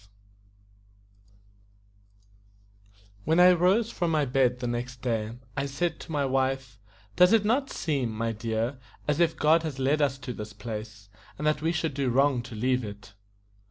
WHEN I rose from my bed the next day, I said to my wife: "Does it not seem, my dear, as if God had led us to this place, and that we should do wrong to leave it?"